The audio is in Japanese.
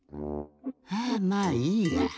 ハァまあいいや。